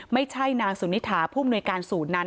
ไม่ใช่นางสุนิถาผู้มนุยการศูนย์นั้น